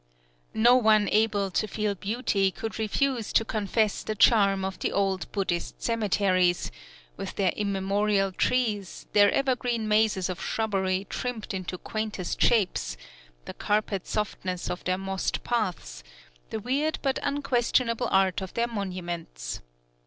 No one able to feel beauty could refuse to confess the charm of the old Buddhist cemeteries, with their immemorial trees, their evergreen mazes of shrubbery trimmed into quaintest shapes, the carpet softness of their mossed paths, the weird but unquestionable art of their monuments.